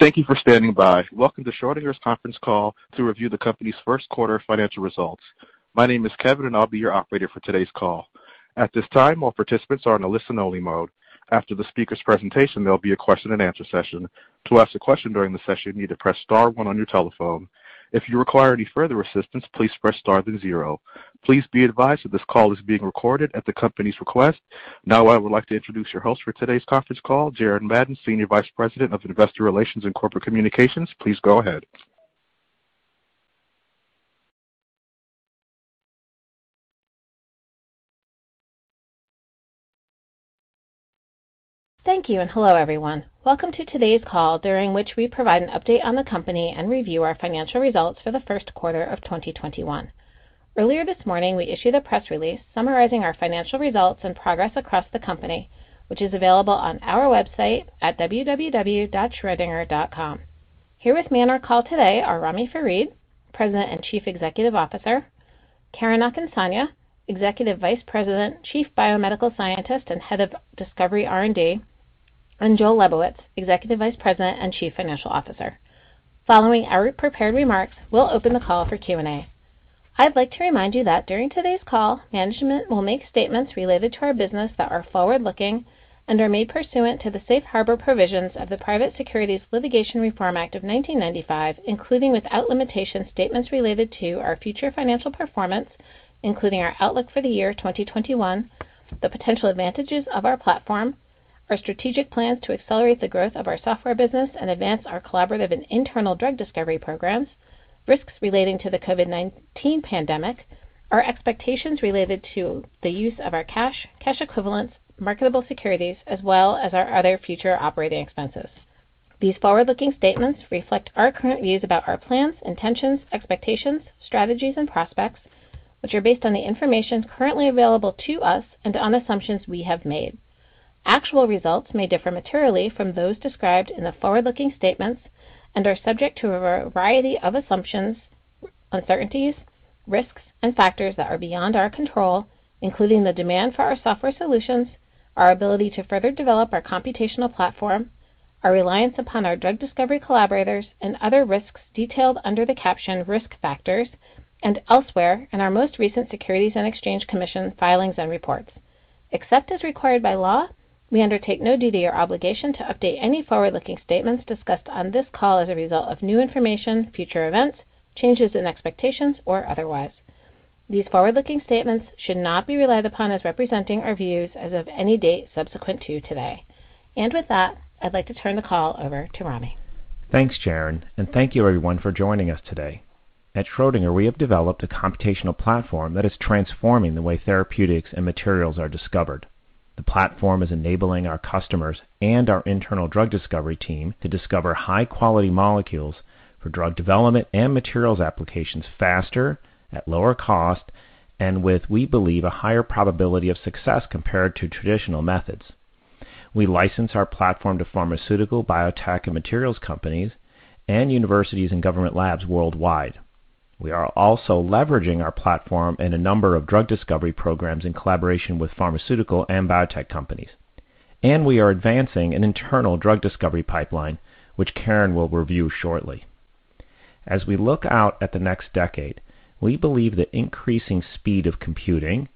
Thank you for standing by. Welcome to Schrödinger's conference call to review the company's first quarter financial results. My name is Kevin and I'll be your operator for today's call. At this time, all participants are in a listen only mode. After the speaker's presentation, there'll be a question and answer session. To ask a question during the session, you need to press star one on your telephone. If you require any further assistance, please press star then zero. Please be advised that this call is being recorded at the company's request. Now I would like to introduce your host for today's conference call, Jaren Madden, Senior Vice President of Investor Relations and Corporate Communications. Please go ahead. Thank you, hello everyone. Welcome to today's call during which we provide an update on the company and review our financial results for the first quarter of 2021. Earlier this morning, we issued a press release summarizing our financial results and progress across the company, which is available on our website at www.schrodinger.com. Here with me on our call today are Ramy Farid, President and Chief Executive Officer, Karen Akinsanya, Executive Vice President, Chief Biomedical Scientist, and Head of Discovery R&D, and Joel Lebowitz, Executive Vice President and Chief Financial Officer. Following our prepared remarks, we'll open the call for Q&A. I'd like to remind you that during today's call, management will make statements related to our business that are forward-looking and are made pursuant to the safe harbor provisions of the Private Securities Litigation Reform Act of 1995, including without limitation, statements related to our future financial performance, including our outlook for the year 2021, the potential advantages of our platform, our strategic plans to accelerate the growth of our software business and advance our collaborative and internal drug discovery programs, risks relating to the COVID-19 pandemic, our expectations related to the use of our cash equivalents, marketable securities, as well as our other future operating expenses. These forward-looking statements reflect our current views about our plans, intentions, expectations, strategies and prospects, which are based on the information currently available to us and on assumptions we have made. Actual results may differ materially from those described in the forward-looking statements and are subject to a variety of assumptions, uncertainties, risks, and factors that are beyond our control, including the demand for our software solutions, our ability to further develop our computational platform, our reliance upon our drug discovery collaborators and other risks detailed under the caption risk factors and elsewhere in our most recent Securities and Exchange Commission filings and reports. Except as required by law, we undertake no duty or obligation to update any forward-looking statements discussed on this call as a result of new information, future events, changes in expectations, or otherwise. These forward-looking statements should not be relied upon as representing our views as of any date subsequent to today. With that, I'd like to turn the call over to Ramy. Thanks, Jaren, and thank you everyone for joining us today. At Schrödinger, we have developed a computational platform that is transforming the way therapeutics and materials are discovered. The platform is enabling our customers and our internal drug discovery team to discover high quality molecules for drug development and materials applications faster, at lower cost, and with, we believe, a higher probability of success compared to traditional methods. We license our platform to pharmaceutical, biotech, and materials companies and universities and government labs worldwide. We are also leveraging our platform in a number of drug discovery programs in collaboration with pharmaceutical and biotech companies. We are advancing an internal drug discovery pipeline, which Karen will review shortly. As we look out at the next decade, we believe the increasing speed of computing,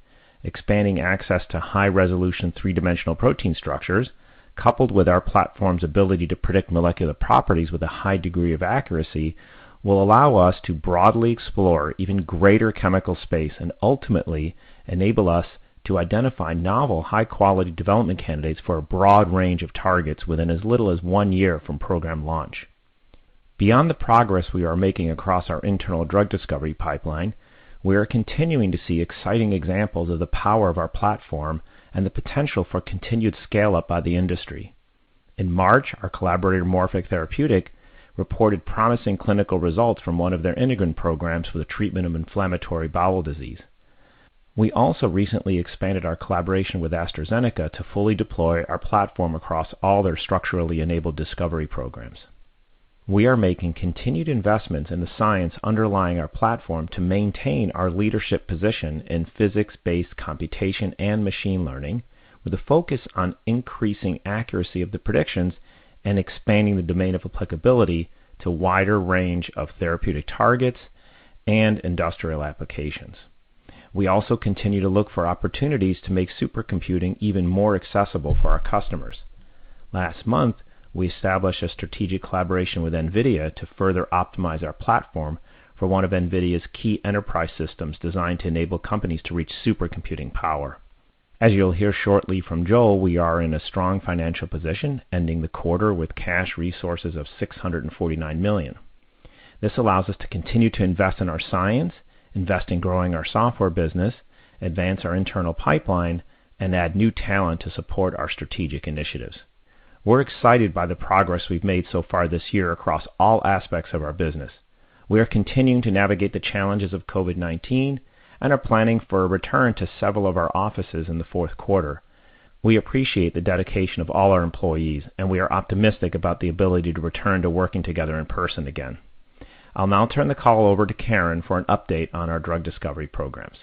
expanding access to high resolution three-dimensional protein structures, coupled with our platform's ability to predict molecular properties with a high degree of accuracy will allow us to broadly explore even greater chemical space and ultimately enable us to identify novel high quality development candidates for a broad range of targets within as little as one year from program launch. Beyond the progress we are making across our internal drug discovery pipeline, we are continuing to see exciting examples of the power of our platform and the potential for continued scale-up by the industry. In March, our collaborator Morphic Therapeutic reported promising clinical results from one of their integrin programs for the treatment of inflammatory bowel disease. We also recently expanded our collaboration with AstraZeneca to fully deploy our platform across all their structurally enabled discovery programs. We are making continued investments in the science underlying our platform to maintain our leadership position in physics-based computation and machine learning, with a focus on increasing accuracy of the predictions and expanding the domain of applicability to wider range of therapeutic targets and industrial applications. We also continue to look for opportunities to make supercomputing even more accessible for our customers. Last month, we established a strategic collaboration with NVIDIA to further optimize our platform for one of NVIDIA's key enterprise systems designed to enable companies to reach supercomputing power. As you'll hear shortly from Joel, we are in a strong financial position ending the quarter with cash resources of $649 million. This allows us to continue to invest in our science, invest in growing our software business, advance our internal pipeline, and add new talent to support our strategic initiatives. We're excited by the progress we've made so far this year across all aspects of our business. We are continuing to navigate the challenges of COVID-19 and are planning for a return to several of our offices in the fourth quarter. We appreciate the dedication of all our employees, and we are optimistic about the ability to return to working together in person again. I'll now turn the call over to Karen for an update on our drug discovery programs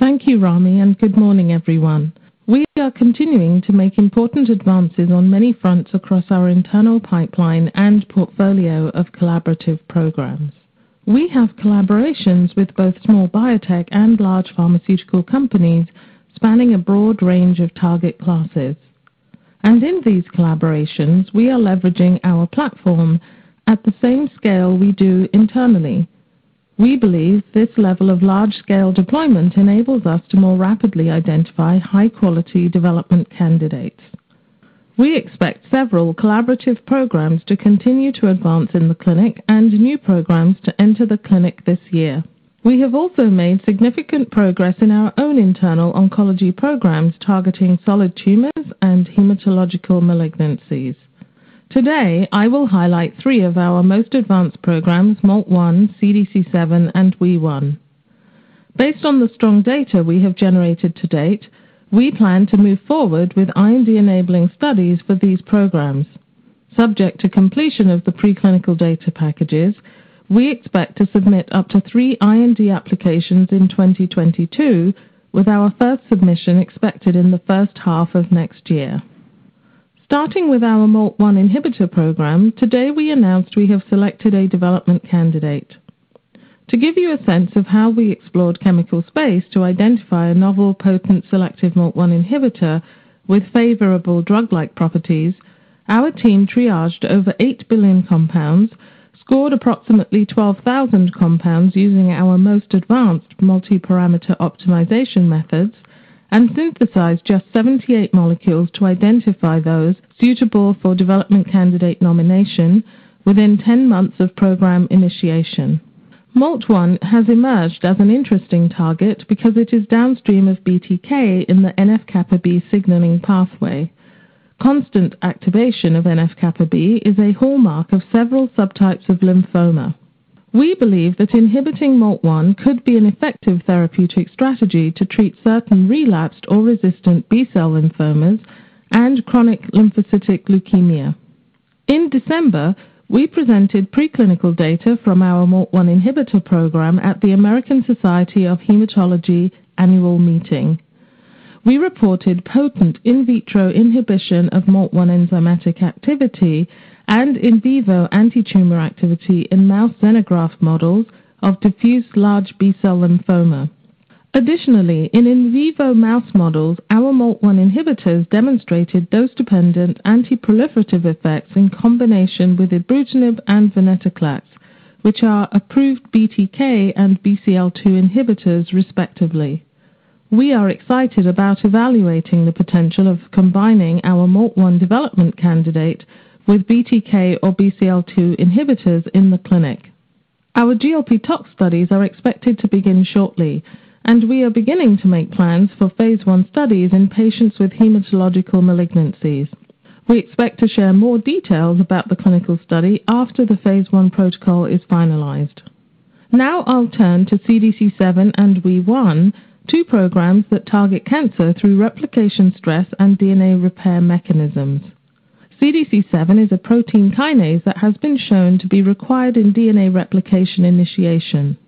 Thank you, Ramy, and good morning, everyone. We are continuing to make important advances on many fronts across our internal pipeline and portfolio of collaborative programs. We have collaborations with both small biotech and large pharmaceutical companies spanning a broad range of target classes. And in these collaborations, we are leveraging our platform at the same scale we do internally. We believe this level of large-scale deployment enables us to more rapidly identify high-quality development candidates. We expect several collaborative programs to continue to advance in the clinic and new programs to enter the clinic this year. We have also made significant progress in our own internal oncology programs targeting solid tumors and hematological malignancies. Today, I will highlight three of our most advanced programs, MALT1, CDC7, and Wee1. Based on the strong data we have generated to date, we plan to move forward with IND-enabling studies for these programs. Subject to completion of the preclinical data packages, we expect to submit up to three IND applications in 2022, with our first submission expected in the first half of next year. Starting with our MALT1 inhibitor program, today we announced we have selected a development candidate. To give you a sense of how we explored chemical space to identify a novel potent selective MALT1 inhibitor with favorable drug-like properties, our team triaged over eight billion compounds, scored approximately 12,000 compounds using our most advanced multi-parameter optimization methods, and synthesized just 78 molecules to identify those suitable for development candidate nomination within 10 months of program initiation. MALT1 has emerged as an interesting target because it is downstream of BTK in the NF-κB signaling pathway. Constant activation of NF-κB is a hallmark of several subtypes of lymphoma. We believe that inhibiting MALT1 could be an effective therapeutic strategy to treat certain relapsed or resistant B-cell lymphomas and chronic lymphocytic leukemia. In December, we presented preclinical data from our MALT1 inhibitor program at the American Society of Hematology Annual Meeting. We reported potent in vitro inhibition of MALT1 enzymatic activity and in vivo anti-tumor activity in mouse xenograft models of diffuse large B-cell lymphoma. Additionally, in in vivo mouse models, our MALT1 inhibitors demonstrated dose-dependent anti-proliferative effects in combination with ibrutinib and venetoclax, which are approved BTK and BCL-2 inhibitors respectively. We are excited about evaluating the potential of combining our MALT1 development candidate with BTK or BCL-2 inhibitors in the clinic. Our GLP tox studies are expected to begin shortly, and we are beginning to make plans for Phase I studies in patients with hematological malignancies. We expect to share more details about the clinical study after the Phase I protocol is finalized. Now I'll turn to CDC7 and Wee1, two programs that target cancer through replication stress and DNA repair mechanisms. CDC7 is a protein kinase that has been shown to be required in DNA replication initiation.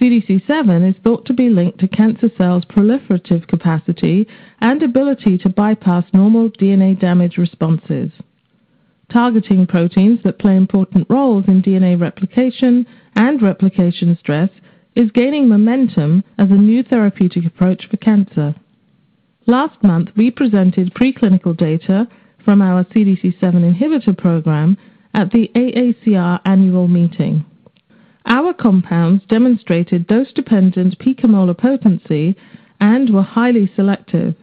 CDC7 is thought to be linked to cancer cells' proliferative capacity and ability to bypass normal DNA damage responses. Targeting proteins that play important roles in DNA replication and replication stress is gaining momentum as a new therapeutic approach for cancer. Last month, we presented preclinical data from our CDC7 inhibitor program at the AACR Annual Meeting. Our compounds demonstrated dose-dependent picomolar potency and were highly selective.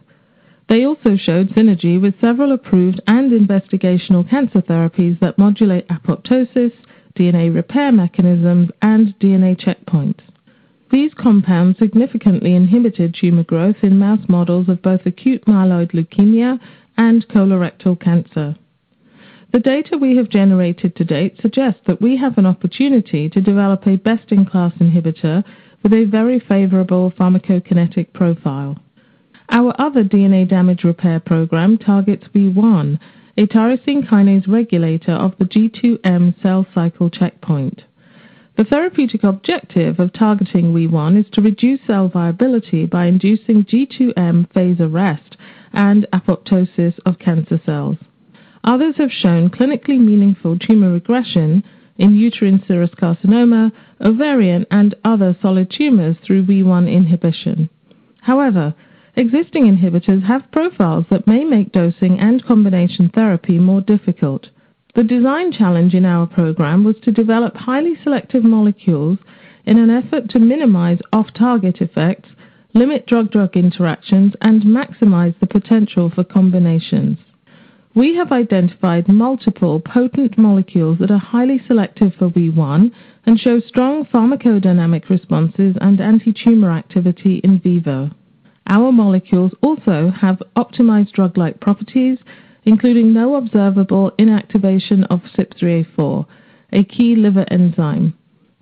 They also showed synergy with several approved and investigational cancer therapies that modulate apoptosis, DNA repair mechanisms, and DNA checkpoints. These compounds significantly inhibited tumor growth in mouse models of both acute myeloid leukemia and colorectal cancer. The data we have generated to date suggest that we have an opportunity to develop a best-in-class inhibitor with a very favorable pharmacokinetic profile. Our other DNA damage repair program targets Wee1, a tyrosine kinase regulator of the G2-M cell cycle checkpoint. The therapeutic objective of targeting Wee1 is to reduce cell viability by inducing G2-M phase arrest and apoptosis of cancer cells. Others have shown clinically meaningful tumor regression in uterine serous carcinoma, ovarian, and other solid tumors through Wee1 inhibition. However, existing inhibitors have profiles that may make dosing and combination therapy more difficult. The design challenge in our program was to develop highly selective molecules in an effort to minimize off-target effects, limit drug-drug interactions, and maximize the potential for combinations. We have identified multiple potent molecules that are highly selective for Wee1 and show strong pharmacodynamic responses and anti-tumor activity in vivo. Our molecules also have optimized drug-like properties, including no observable inactivation of CYP3A4, a key liver enzyme.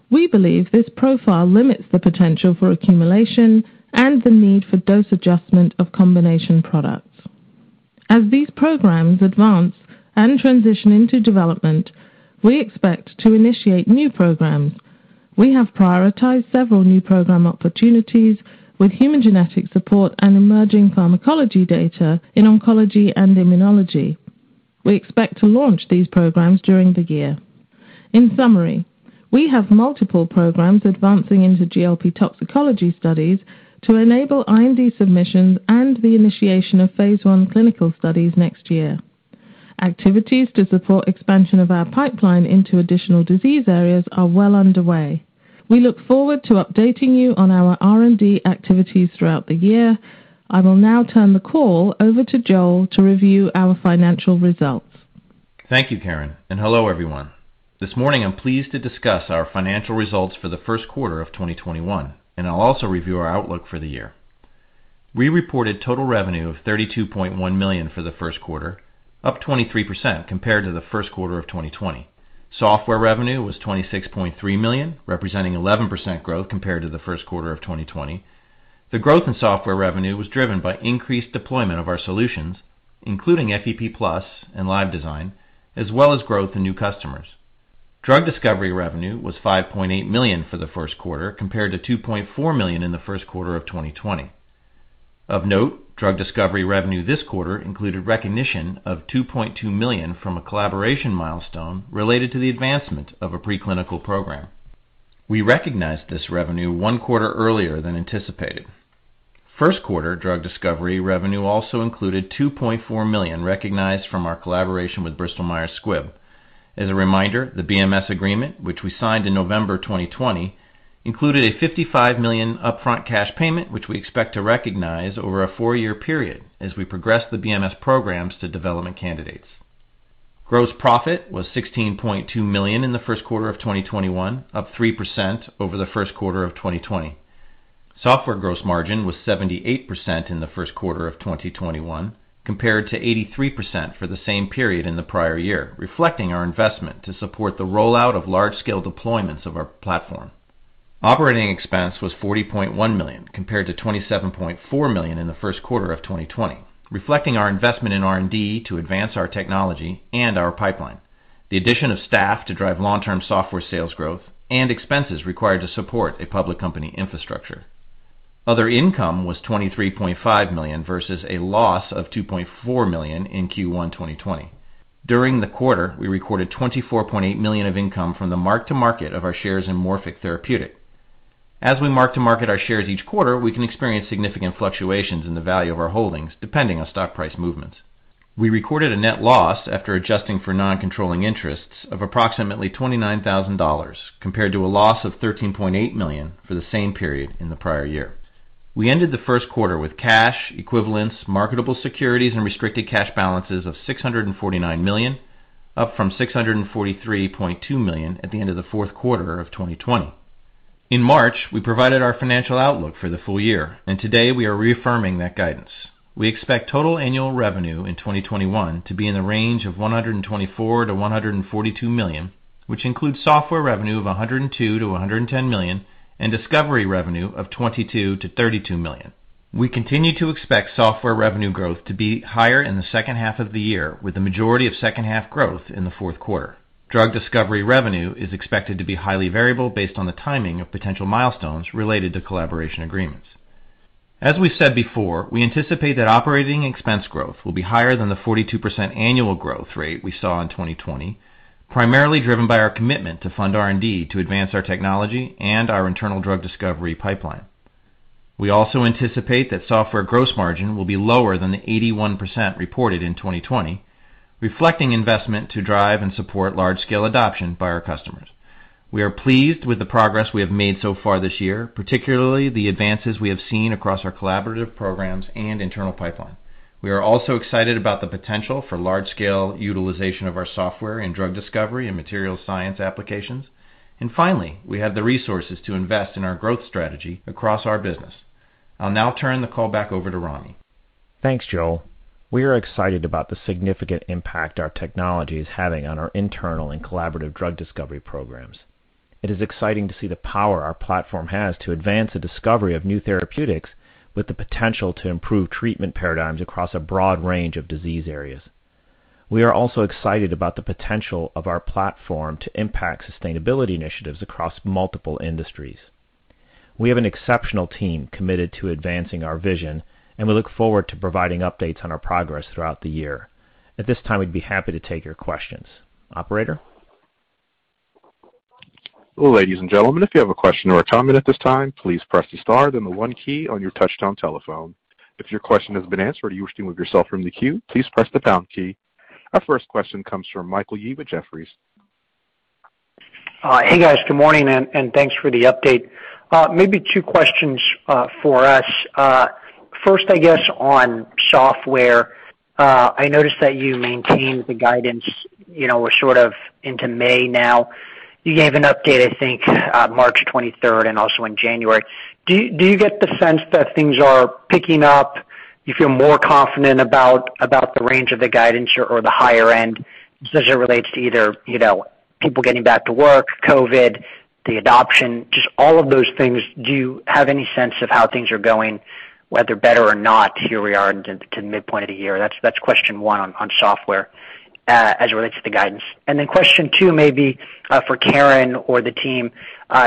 We believe this profile limits the potential for accumulation and the need for dose adjustment of combination products. As these programs advance and transition into development, we expect to initiate new programs. We have prioritized several new program opportunities with human genetic support and emerging pharmacology data in oncology and immunology. We expect to launch these programs during the year. In summary, we have multiple programs advancing into GLP toxicology studies to enable IND submissions and the initiation of Phase I clinical studies next year. Activities to support expansion of our pipeline into additional disease areas are well underway. We look forward to updating you on our R&D activities throughout the year. I will now turn the call over to Joel to review our financial results. Thank you, Karen, and hello, everyone. This morning, I am pleased to discuss our financial results for the first quarter of 2021, and I will also review our outlook for the year. We reported total revenue of $32.1 million for the first quarter, up 23% compared to the first quarter of 2020. Software revenue was $26.3 million, representing 11% growth compared to the first quarter of 2020. The growth in software revenue was driven by increased deployment of our solutions, including FEP+ and LiveDesign, as well as growth in new customers. Drug discovery revenue was $5.8 million for the first quarter, compared to $2.4 million in the first quarter of 2020. Of note, drug discovery revenue this quarter included recognition of $2.2 million from a collaboration milestone related to the advancement of a preclinical program. We recognized this revenue one quarter earlier than anticipated. First quarter drug discovery revenue also included $2.4 million recognized from our collaboration with Bristol Myers Squibb. As a reminder, the BMS agreement, which we signed in November 2020, included a $55 million upfront cash payment, which we expect to recognize over a four-year period as we progress the BMS programs to development candidates. Gross profit was $16.2 million in the first quarter of 2021, up 3% over the first quarter of 2020. Software gross margin was 78% in the first quarter of 2021, compared to 83% for the same period in the prior year, reflecting our investment to support the rollout of large-scale deployments of our platform. Operating expense was $40.1 million, compared to $27.4 million in the first quarter of 2020, reflecting our investment in R&D to advance our technology and our pipeline, the addition of staff to drive long-term software sales growth, and expenses required to support a public company infrastructure. Other income was $23.5 million versus a loss of $2.4 million in Q1 2020. During the quarter, we recorded $24.8 million of income from the mark to market of our shares in Morphic Therapeutic. As we mark to market our shares each quarter, we can experience significant fluctuations in the value of our holdings, depending on stock price movements. We recorded a net loss after adjusting for non-controlling interests of approximately $29,000, compared to a loss of $13.8 million for the same period in the prior year. We ended the first quarter with cash, equivalents, marketable securities, and restricted cash balances of $649 million, up from $643.2 million at the end of the fourth quarter of 2020. In March, we provided our financial outlook for the full year, and today we are reaffirming that guidance. We expect total annual revenue in 2021 to be in the range of $124 million-$142 million, which includes software revenue of $102 million-$110 million, and discovery revenue of $22 million-$32 million. We continue to expect software revenue growth to be higher in the second half of the year, with the majority of second half growth in the fourth quarter. Drug discovery revenue is expected to be highly variable based on the timing of potential milestones related to collaboration agreements. As we said before, we anticipate that operating expense growth will be higher than the 42% annual growth rate we saw in 2020, primarily driven by our commitment to fund R&D to advance our technology and our internal drug discovery pipeline. We also anticipate that software gross margin will be lower than the 81% reported in 2020, reflecting investment to drive and support large-scale adoption by our customers. We are pleased with the progress we have made so far this year, particularly the advances we have seen across our collaborative programs and internal pipeline. We are also excited about the potential for large-scale utilization of our software in drug discovery and materials science applications. Finally, we have the resources to invest in our growth strategy across our business. I'll now turn the call back over to Ramy. Thanks, Joel. We are excited about the significant impact our technology is having on our internal and collaborative drug discovery programs. It is exciting to see the power our platform has to advance the discovery of new therapeutics with the potential to improve treatment paradigms across a broad range of disease areas. We are also excited about the potential of our platform to impact sustainability initiatives across multiple industries. We have an exceptional team committed to advancing our vision, and we look forward to providing updates on our progress throughout the year. At this time, we'd be happy to take your questions. Operator? Ladies and gentlemen, if you have a question or a comment at this time, please press the star then the one key on your touchtone telephone. If your question has been answered or you wish to remove yourself from the queue, please press the pound key. Our first question comes from Michael Yee with Jefferies. Hey, guys. Good morning, and thanks for the update. Maybe two questions for us. First, I guess, on software. I noticed that you maintained the guidance. We're sort of into May now. You gave an update, I think, March 23rd and also in January. Do you get the sense that things are picking up, you feel more confident about the range of the guidance or the higher end? As it relates to either people getting back to work, COVID, the adoption, just all of those things, do you have any sense of how things are going, whether better or not? Here we are into the midpoint of the year. That's question one on software as it relates to the guidance. Then question two may be for Karen or the team.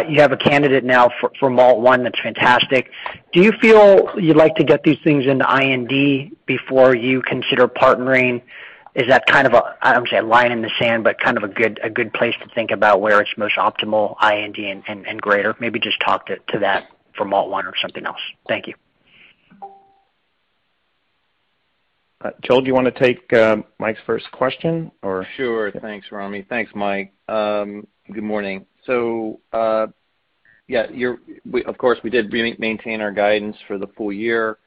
You have a candidate now for MALT1. That's fantastic. Do you feel you'd like to get these things into IND before you consider partnering? Is that kind of a, I won't say a line in the sand, but kind of a good place to think about where it's most optimal, IND and greater? Maybe just talk to that for MALT1 or something else. Thank you. Joel, do you want to take Mike's first question? Sure. Thanks, Ramy. Thanks, Mike. Good morning. Yeah, of course, we did maintain our guidance for the full year.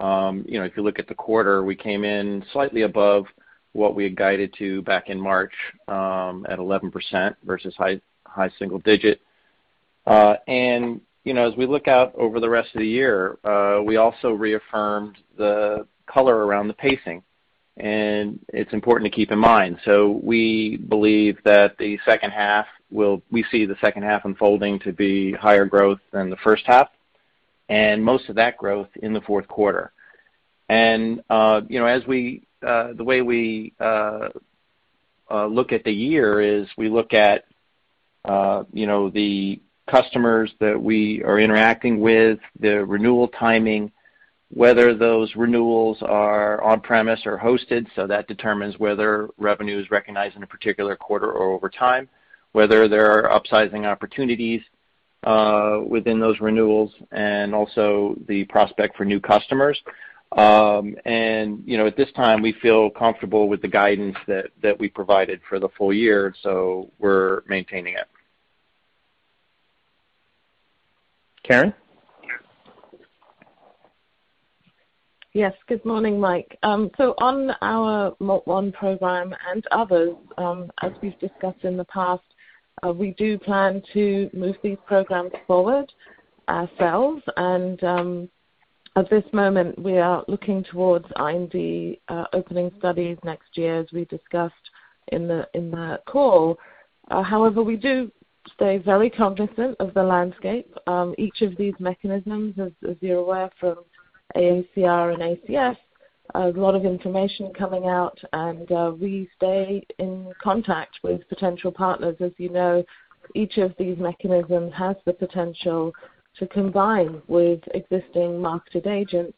If you look at the quarter, we came in slightly above what we had guided to back in March, at 11% versus high single digit. As we look out over the rest of the year, we also reaffirmed the color around the pacing, and it's important to keep in mind. We see the second half unfolding to be higher growth than the first half, and most of that growth in the fourth quarter. The way we look at the year is we look at the customers that we are interacting with, the renewal timing, whether those renewals are on-premise or hosted. That determines whether revenue is recognized in a particular quarter or over time, whether there are upsizing opportunities within those renewals, and also the prospect for new customers. At this time, we feel comfortable with the guidance that we provided for the full year. We're maintaining it. Karen? Yes. Good morning, Mike. On our MALT1 program and others, as we've discussed in the past, we do plan to move these programs forward ourselves. At this moment, we are looking towards IND opening studies next year, as we discussed in the call. However, we do stay very cognizant of the landscape. Each of these mechanisms, as you're aware, from AACR and ACS, a lot of information coming out, and we stay in contact with potential partners. As you know, each of these mechanisms has the potential to combine with existing marketed agents.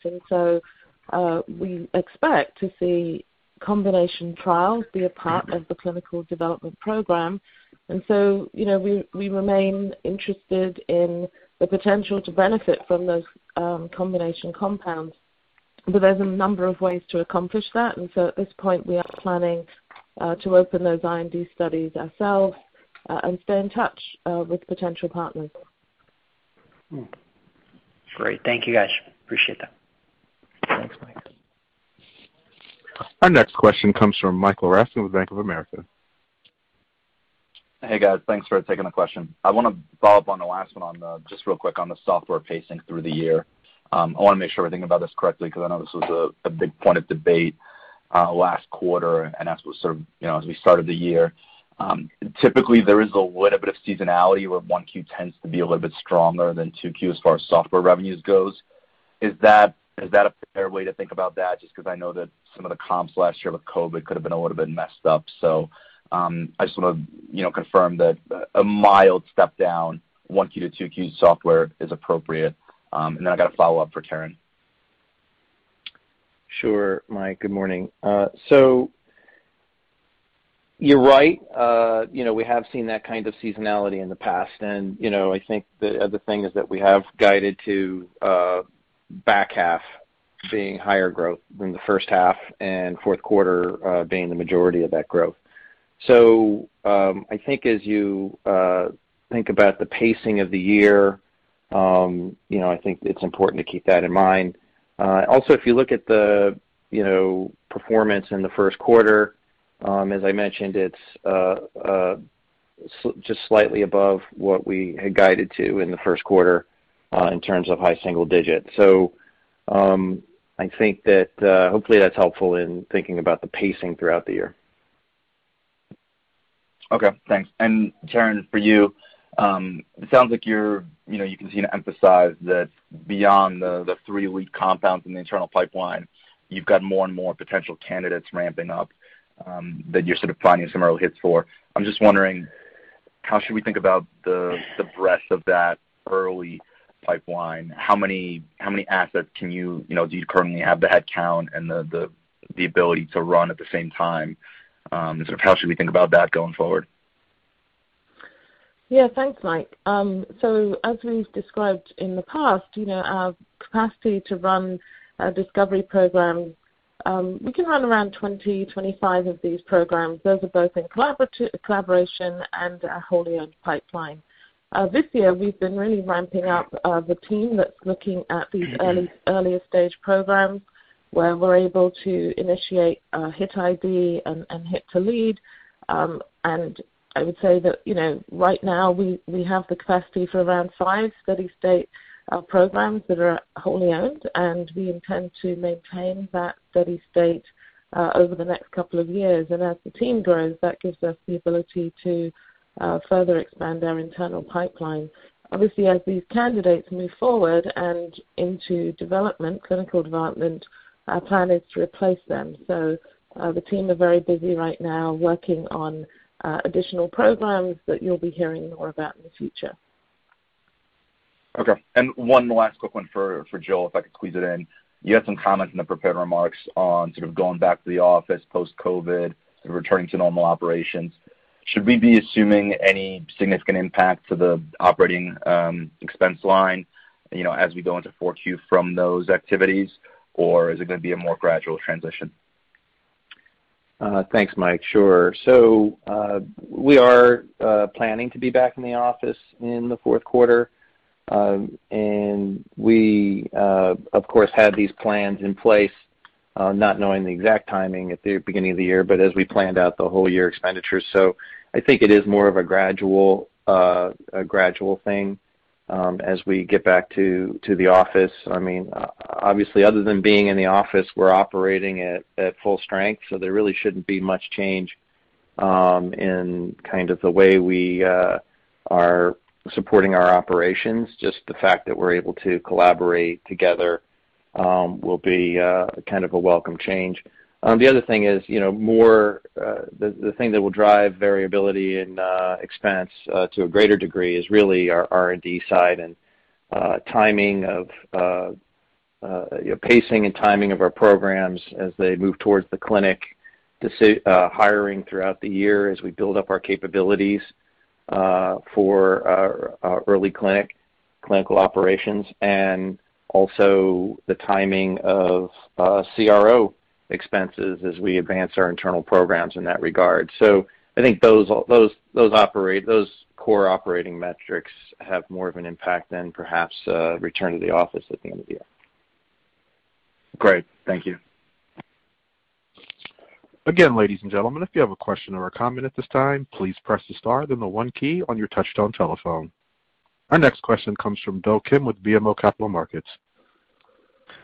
We expect to see combination trials be a part of the clinical development program. We remain interested in the potential to benefit from those combination compounds. There's a number of ways to accomplish that. At this point, we are planning to open those IND studies ourselves and stay in touch with potential partners. Great. Thank you, guys. Appreciate that. Thanks, Mike. Our next question comes from Michael Ryskin with Bank of America. Hey, guys. Thanks for taking the question. I want to follow up on the last one just real quick on the software pacing through the year. I want to make sure we're thinking about this correctly, because I know this was a big point of debate last quarter, and that's what sort of as we started the year. Typically, there is a little bit of seasonality where 1Q tends to be a little bit stronger than 2Q as far as software revenues goes. Is that a fair way to think about that? Just because I know that some of the comps last year with COVID could have been a little bit messed up. I just want to confirm that a mild step down 1Q to 2Q software is appropriate. I got a follow-up for Karen. Sure, Mike. Good morning. You're right. We have seen that kind of seasonality in the past, and I think the other thing is that we have guided to back half being higher growth than the first half and fourth quarter being the majority of that growth. I think as you think about the pacing of the year, I think it's important to keep that in mind. Also, if you look at the performance in the first quarter, as I mentioned, it's just slightly above what we had guided to in the first quarter in terms of high single digits. I think that hopefully that's helpful in thinking about the pacing throughout the year. Okay, thanks. Karen, for you, it sounds like you can seem to emphasize that beyond the three lead compounds in the internal pipeline, you've got more and more potential candidates ramping up that you're sort of finding some early hits for. I'm just wondering how should we think about the breadth of that early pipeline? How many assets do you currently have the headcount and the ability to run at the same time? Sort of how should we think about that going forward? Yeah, thanks, Mike. As we've described in the past, we can run around 20, 25 of these programs. Those are both in collaboration and our wholly-owned pipeline. This year, we've been really ramping up the team that's looking at these earlier-stage programs, where we're able to initiate a hit ID and hit to lead. I would say that right now we have the capacity for around five steady-state programs that are wholly owned, and we intend to maintain that steady state over the next couple of years. As the team grows, that gives us the ability to further expand our internal pipeline. Obviously, as these candidates move forward and into development, clinical development, our plan is to replace them. The team are very busy right now working on additional programs that you'll be hearing more about in the future. Okay. One last quick one for Joel, if I could squeeze it in. You had some comments in the prepared remarks on sort of going back to the office post-COVID and returning to normal operations. Should we be assuming any significant impact to the operating expense line as we go into 4Q from those activities, or is it going to be a more gradual transition? Thanks, Mike. Sure. We are planning to be back in the office in the fourth quarter. We, of course, had these plans in place not knowing the exact timing at the beginning of the year, but as we planned out the whole year expenditures. I think it is more of a gradual thing as we get back to the office. Obviously, other than being in the office, we're operating at full strength, so there really shouldn't be much change in the way we are supporting our operations. Just the fact that we're able to collaborate together will be kind of a welcome change. The other thing is, the thing that will drive variability in expense to a greater degree is really our R&D side and pacing and timing of our programs as they move towards the clinic, hiring throughout the year as we build up our capabilities for our early clinical operations, and also the timing of CRO expenses as we advance our internal programs in that regard. I think those core operating metrics have more of an impact than perhaps a return to the office at the end of the year. Great. Thank you. Again, ladies and gentlemen, if you have a question or a comment at this time, please press the star, then the one key on your touchtone telephone. Our next question comes from Do Kim with BMO Capital Markets.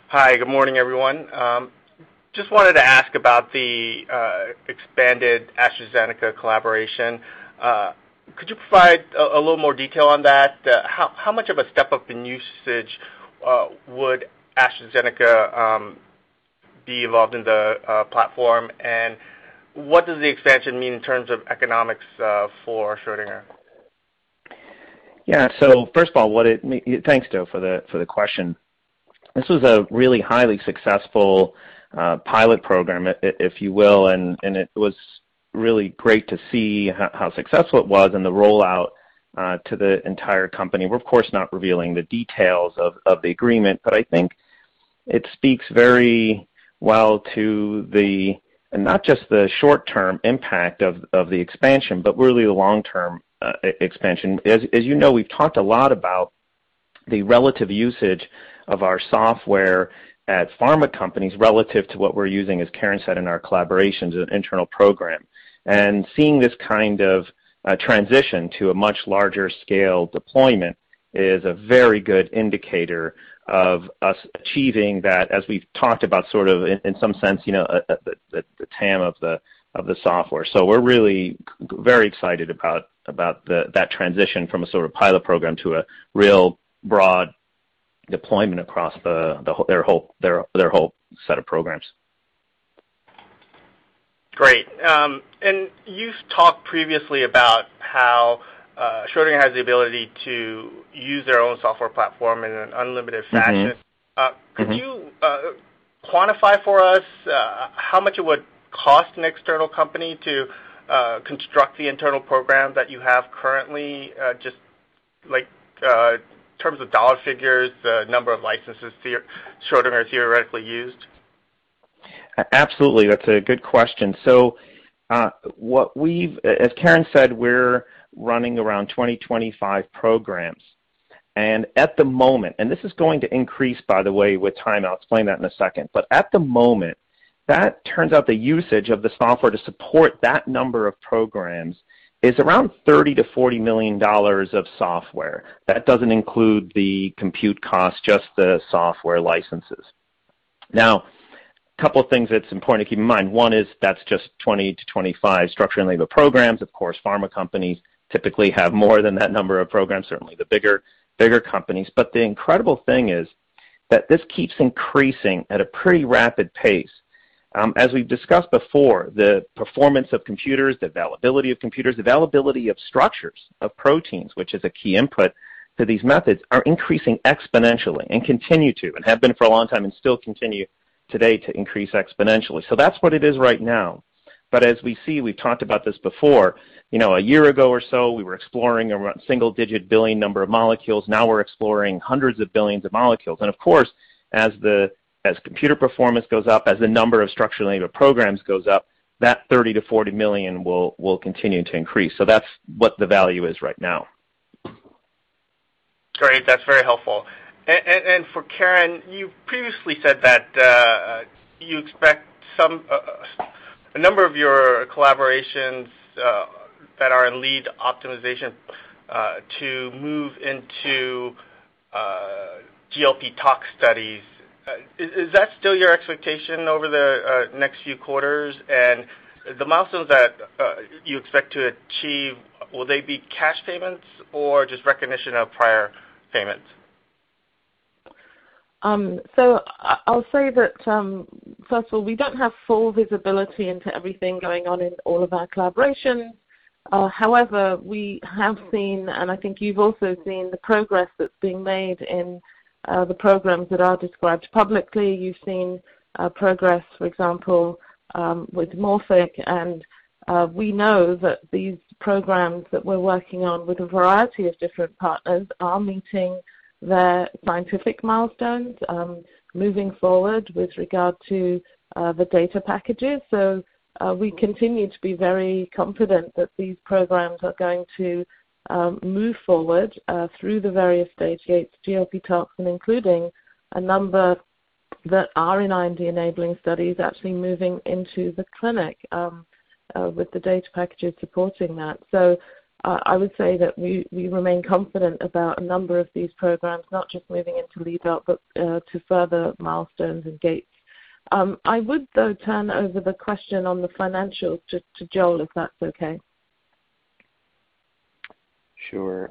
Hi, good morning, everyone. Just wanted to ask about the expanded AstraZeneca collaboration. Could you provide a little more detail on that? How much of a step-up in usage would AstraZeneca be involved in the platform, and what does the expansion mean in terms of economics for Schrödinger? Yeah. First of all, thanks, Do, for the question. This was a really highly successful pilot program, if you will, and it was really great to see how successful it was and the rollout to the entire company. We're of course not revealing the details of the agreement, but I think it speaks very well to not just the short-term impact of the expansion, but really the long-term expansion. As you know, we've talked a lot about the relative usage of our software at pharma companies relative to what we're using, as Karen said, in our collaborations and internal program. Seeing this kind of transition to a much larger scale deployment is a very good indicator of us achieving that, as we've talked about, sort of, in some sense, the TAM of the software. We're really very excited about that transition from a sort of pilot program to a real broad deployment across their whole set of programs. Great. You've talked previously about how Schrödinger has the ability to use their own software platform in an unlimited fashion. Could you quantify for us how much it would cost an external company to construct the internal program that you have currently, just like in terms of dollar figures, the number of licenses Schrödinger theoretically used? Absolutely. That's a good question. As Karen said, we're running around 20-25 programs. At the moment, and this is going to increase, by the way, with time, I'll explain that in a second, but at the moment, that turns out the usage of the software to support that number of programs is around $30 million-$40 million of software. That doesn't include the compute cost, just the software licenses. Couple of things that's important to keep in mind. One is that's just 20-25 structure programs. Of course, pharma companies typically have more than that number of programs, certainly the bigger companies. The incredible thing is that this keeps increasing at a pretty rapid pace. As we've discussed before, the performance of computers, the availability of computers, availability of structures of proteins, which is a key input to these methods, are increasing exponentially and continue to, and have been for a long time and still continue today to increase exponentially. That's what it is right now. As we see, we've talked about this before, a year ago or so, we were exploring around single-digit billion number of molecules. Now we're exploring hundreds of billions of molecules. Of course, as computer performance goes up, as the number of structure-enabled programs goes up, that $30 million-$40 million will continue to increase. That's what the value is right now. Great. That's very helpful. For Karen, you previously said that you expect a number of your collaborations that are in lead optimization to move into GLP tox studies. Is that still your expectation over the next few quarters? The milestones that you expect to achieve, will they be cash payments or just recognition of prior payments? I'll say that, first of all, we don't have full visibility into everything going on in all of our collaborations. However, we have seen, and I think you've also seen, the progress that's being made in the programs that are described publicly. You've seen progress, for example, with Morphic, and we know that these programs that we're working on with a variety of different partners are meeting their scientific milestones, moving forward with regard to the data packages. We continue to be very confident that these programs are going to move forward through the various stage gates, GLP tox, and including a number that are in IND-enabling studies, actually moving into the clinic with the data packages supporting that. I would say that we remain confident about a number of these programs, not just moving into lead op, but to further milestones and gates. I would, though, turn over the question on the financials to Joel, if that's okay. Sure.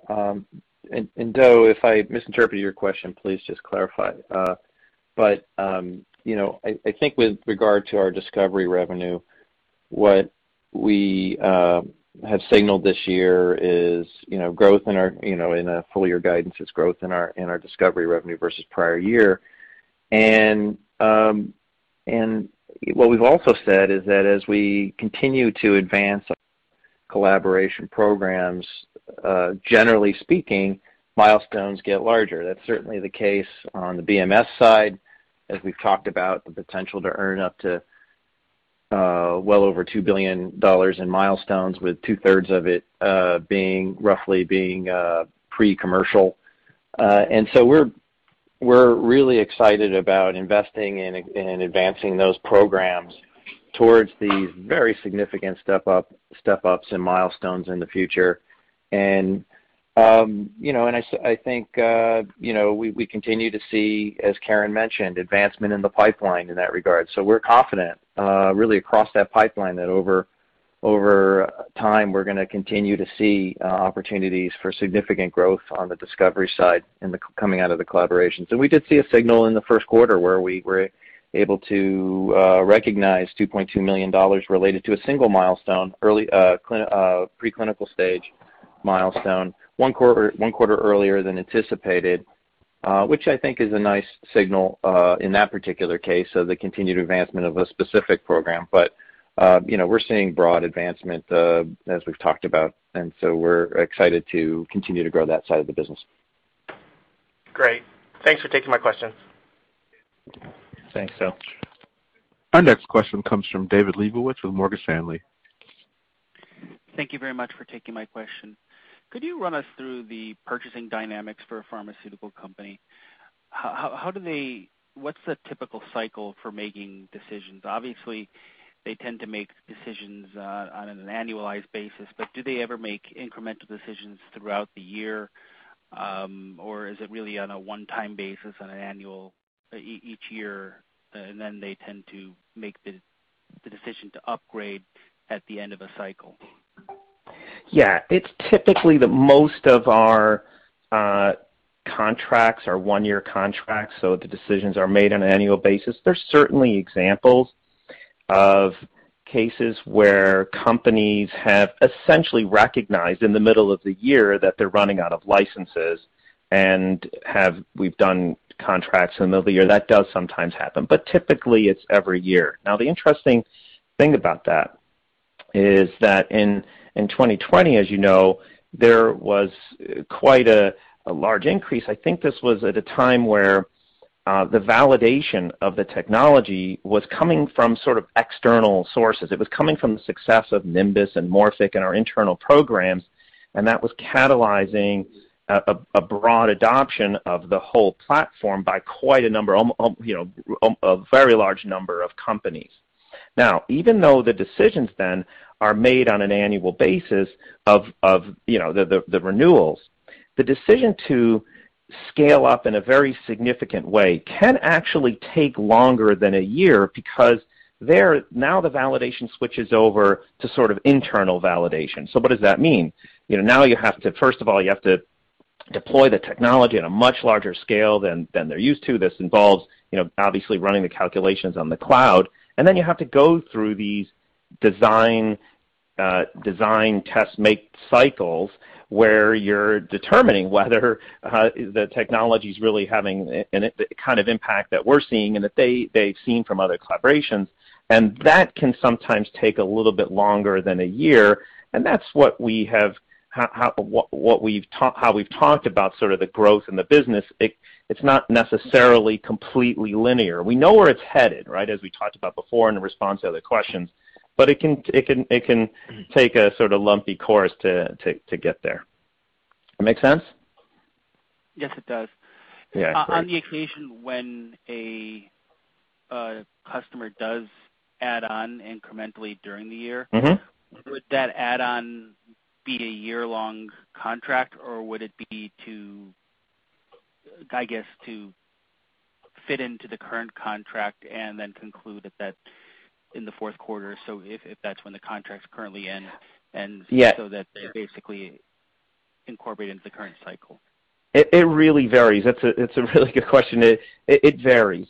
Do, if I misinterpreted your question, please just clarify. I think with regard to our discovery revenue, what we have signaled this year is growth in a full-year guidance. It's growth in our discovery revenue versus prior year. What we've also said is that as we continue to advance our collaboration programs, generally speaking, milestones get larger. That's certainly the case on the BMS side, as we've talked about the potential to earn up to well over $2 billion in milestones, with 2/3 of it roughly being pre-commercial. We're really excited about investing in advancing those programs towards these very significant step-ups in milestones in the future. I think we continue to see, as Karen mentioned, advancement in the pipeline in that regard. We're confident really across that pipeline that over time, we're going to continue to see opportunities for significant growth on the discovery side coming out of the collaborations. We did see a signal in the first quarter where we were able to recognize $2.2 million related to a single milestone, early preclinical stage milestone, one quarter earlier than anticipated, which I think is a nice signal in that particular case of the continued advancement of a specific program. We're seeing broad advancement as we've talked about, and so we're excited to continue to grow that side of the business. Great. Thanks for taking my questions. Thanks, Do. Our next question comes from David Lebowitz with Morgan Stanley. Thank you very much for taking my question. Could you run us through the purchasing dynamics for a pharmaceutical company? What's the typical cycle for making decisions? Obviously, they tend to make decisions on an annualized basis, but do they ever make incremental decisions throughout the year? Is it really on a one-time basis on an annual, each year, and then they tend to make the decision to upgrade at the end of a cycle? Yeah. It's typically that most of our contracts are one-year contracts, so the decisions are made on an annual basis. There's certainly examples of cases where companies have essentially recognized in the middle of the year that they're running out of licenses and we've done contracts in the middle of the year. That does sometimes happen, but typically it's every year. Now, the interesting thing about that is that in 2020, as you know, there was quite a large increase. I think this was at a time where the validation of the technology was coming from sort of external sources. It was coming from the success of Nimbus and Morphic and our internal programs, and that was catalyzing a broad adoption of the whole platform by quite a number, a very large number of companies. Even though the decisions then are made on an annual basis of the renewals, the decision to scale up in a very significant way can actually take longer than a year because the validation switches over to sort of internal validation. What does that mean? First of all, you have to deploy the technology at a much larger scale than they're used to. This involves obviously running the calculations on the cloud. Then you have to go through these design test make cycles, where you're determining whether the technology's really having the kind of impact that we're seeing and that they've seen from other collaborations. That can sometimes take a little bit longer than a year, and that's how we've talked about sort of the growth in the business. It's not necessarily completely linear. We know where it's headed, as we talked about before in response to other questions. It can take a sort of lumpy course to get there. That make sense? Yes, it does. Yeah. Great. On the occasion when a customer does add on incrementally during the year. would that add-on be a year-long contract, or would it be to, I guess, to fit into the current contract and then conclude in the fourth quarter, so if that's when the contracts currently end? Yeah That they're basically incorporated into the current cycle? It really varies. That's a really good question. It varies.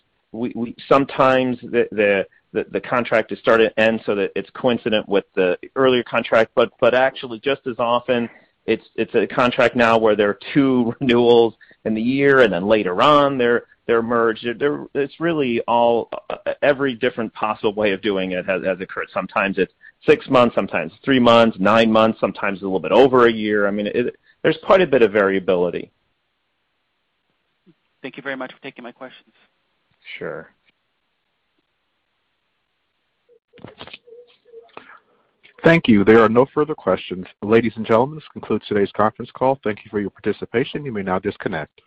Sometimes the contract is starting to end so that it's coincident with the earlier contract, but actually, just as often, it's a contract now where there are two renewals in the year, and then later on, they're merged. It's really every different possible way of doing it has occurred. Sometimes it's six months, sometimes three months, nine months, sometimes a little bit over a year. There's quite a bit of variability. Thank you very much for taking my questions. Sure. Thank you. There are no further questions. Ladies and gentlemen, this concludes today's conference call. Thank you for your participation. You may now disconnect.